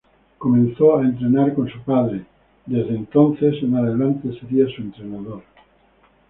Comenzó a entrenar con su padre, de desde entonces en adelante sería su entrenador.